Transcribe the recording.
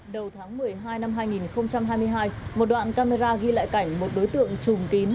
đầu tháng một mươi hai năm hai nghìn hai mươi hai một đoạn camera ghi lại cảnh một đối tượng trùng tín